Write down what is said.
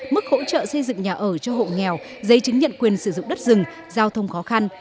mức hỗ trợ xây dựng nhà ở cho hộ nghèo giấy chứng nhận quyền sử dụng đất rừng giao thông khó khăn